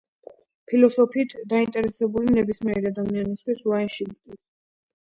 ფილოსოფიით დაინტერესებული ნებისმიერი ადამიანისთვის ვიტგენშტაინის